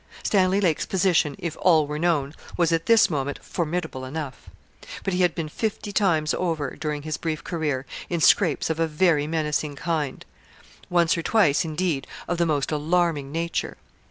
Stanley Lake's position, if all were known, was at this moment formidable enough. But he had been fifty times over, during his brief career, in scrapes of a very menacing kind; once or twice, indeed, of the most alarming nature.